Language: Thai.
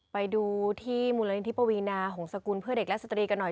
ไปดูที่มูลนิธิปวีนาหงษกุลเพื่อเด็กและสตรีกันหน่อย